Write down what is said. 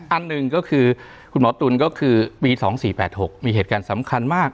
อันหนึ่งก็คือคุณหมอตุ๋นก็คือปี๒๔๘๖มีเหตุการณ์สำคัญมาก